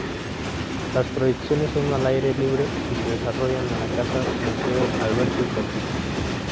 Las proyecciones son al aire libre y se desarrollan en la Casa-Museo Alberto Sols.